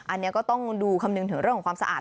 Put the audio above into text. อันนี้ก็ต้องดูคำนึงถึงเรื่องของความสะอาด